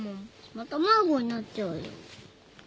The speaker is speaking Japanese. また迷子になっちゃうよ。